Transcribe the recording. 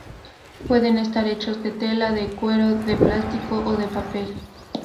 Pueden estar hechas de tela, de cuero, de plástico, o de papel.